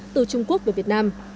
từ trung quốc về việt nam